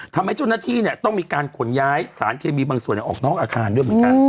ทำให้เจ้าหน้าที่ต้องมีการขนย้ายสารเคมีบางส่วนออกนอกอาคารด้วยเหมือนกัน